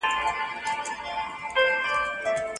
د زاهد له قصده راغلم د زُنار تر پیوندونو